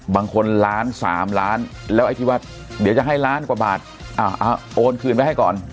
ล้าน๓ล้านแล้วไอ้ที่ว่าเดี๋ยวจะให้ล้านกว่าบาทโอนคืนไว้ให้ก่อน